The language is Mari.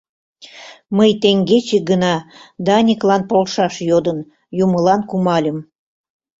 — Мый теҥгече гына Даниклан полшаш йодын Юмылан кумальым.